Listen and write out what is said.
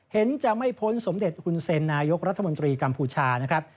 จะไม่พ้นสมเด็จฮุนเซนนายกรัฐมนตรีกัมพูชานะครับ